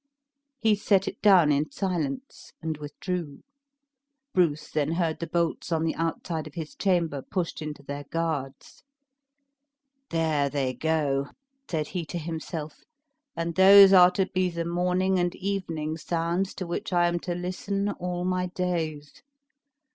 He set it down in silence, and withdrew; Bruce then heard the bolts on the outside of his chamber pushed into their guards. "There they go," said he to himself; "and those are to be the morning and evening sounds to which I am to listen all my days!